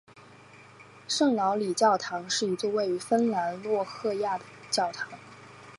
圣劳里教堂是一座位于芬兰洛赫亚的教堂。